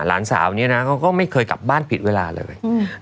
หลานสาวนี้นะเขาก็ไม่เคยกลับบ้านผิดเวลาเลย